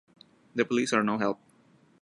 The police are no help.